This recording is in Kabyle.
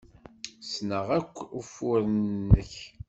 Ssneɣ akk ufuren-nnek.